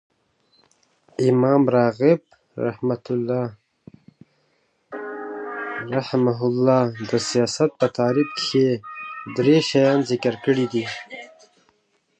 امام راغب رحمة الله د سیاست په تعریف کښي درې شیان ذکر کړي دي.